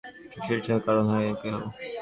শশীর স্বাধীনতাও হরণ করে নাই কেহ।